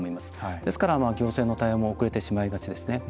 ですから、行政の対応も遅れてしまいがちですね。